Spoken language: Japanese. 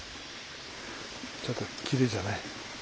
ちょっときれいじゃない？